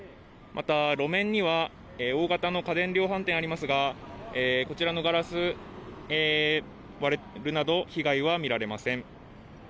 また路面には大型の家電量販店がありますがこちらのガラス、割れるなど被害は見られません。